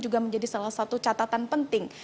juga menjadi salah satu catatan penting